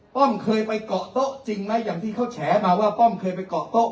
เคยไปเกาะโต๊ะจริงไหมอย่างที่เขาแฉมาว่าป้อมเคยไปเกาะโต๊ะ